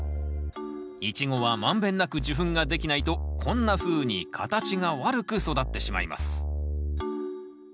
イチゴは満遍なく受粉ができないとこんなふうに形が悪く育ってしまいます。